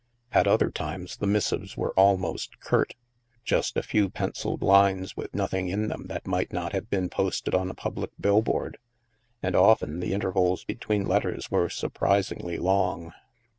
At other times the missives were almost curt — just a few pencilled lines with nothing in them that might not have been posted on a public billboard. And often the inter vals between letters were surprisingly long.